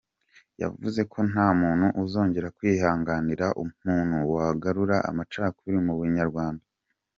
Yavuze ko nta muntu uzongera kwihanganira umuntu wagarura amacakubiri mu Banyarwanda.